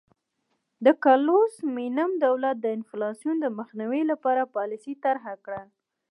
د کارلوس مینم دولت د انفلاسیون مخنیوي لپاره پالیسي طرحه کړه.